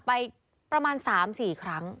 ไปประมาณ๓๔ครั้ง